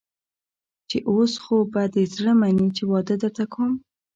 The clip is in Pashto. چې اوس خو به دې زړه مني چې واده درته کوم.